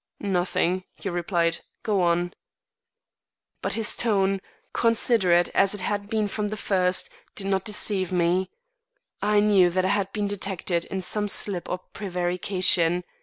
"Nothing," he replied, "go on." But his tone, considerate as it had been from the first, did not deceive me. I knew that I had been detected in some slip or prevarication.